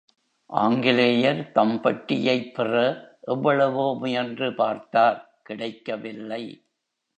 ஆங்கிலேயர் தம் பெட்டியைப் பெற எவ்வளவோ முயன்று பார்த்தார் கிடைக்கவில்லை.